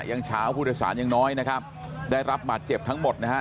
ยังเช้าผู้โดยสารยังน้อยนะครับได้รับบาดเจ็บทั้งหมดนะฮะ